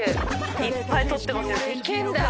いっぱい撮ってますよ。